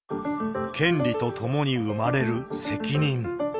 権利とともに生まれる責任。